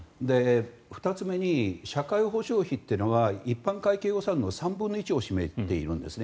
２つ目に社会保障費というのは一般会計予算の３分の１を占めているんですね。